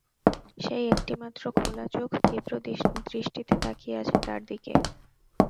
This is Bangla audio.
সেই একটিমাত্র খোলা চোখ তীব্র দৃষ্টিতে তাকিয়ে আছে তার দিকে।